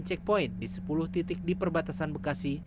cek poin di sepuluh titik di perbatasan bekasi